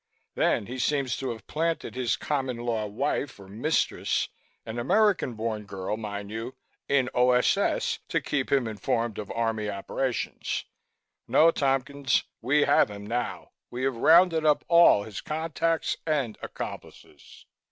Then he seems to have planted his common law wife or mistress an American born girl, mind you, in O.S.S. to keep him informed of Army operations. No, Tompkins, we have him now. We have rounded up all his contacts and accomplices."